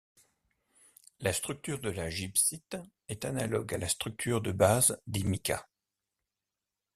La structure de la gibbsite est analogue à la structure de base des micas.